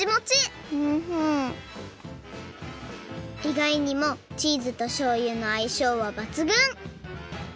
いがいにもチーズとしょうゆのあいしょうはばつぐん！